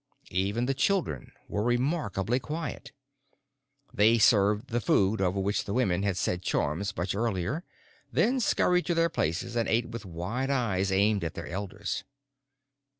Even the children were remarkably quiet. They served the food over which the women had said charms much earlier, then scurried to their places and ate with wide eyes aimed at their elders.